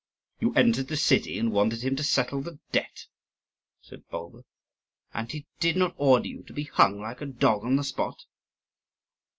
"You entered the city, and wanted him to settle the debt!" said Bulba; "and he did not order you to be hung like a dog on the spot?"